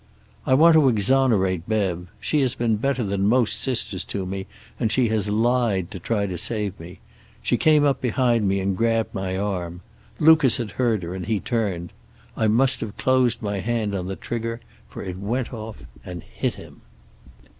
"I want to exonerate Bev. She has been better than most sisters to me, and she has lied to try to save me. She came up behind me and grabbed my arm. Lucas had heard her, and he turned. I must have closed my hand on the trigger, for it went off and hit him.